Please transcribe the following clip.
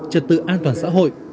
trật tự an toàn xã hội